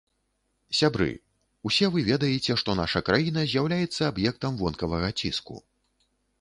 Сябры, усе вы ведаеце, што наша краіна з'яўляецца аб'ектам вонкавага ціску.